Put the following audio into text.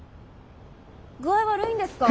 具合悪いんですか？